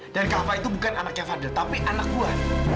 dan gava itu bukan anaknya fadil tapi anak gue